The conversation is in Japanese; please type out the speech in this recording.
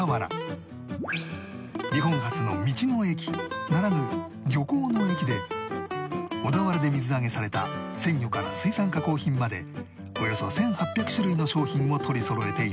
日本初の道の駅ならぬ漁港の駅で小田原で水揚げされた鮮魚から水産加工品までおよそ１８００種類の商品を取りそろえています